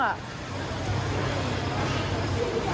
ยังไงอ่ะ